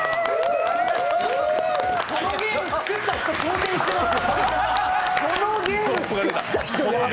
このゲーム作った人昇天してますよ！